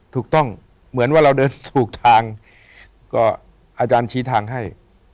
เหมือนว่าเราเดินถูกทางก็อาจารย์ชี้ทางให้